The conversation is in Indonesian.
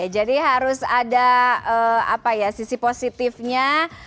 jadi harus ada sisi positifnya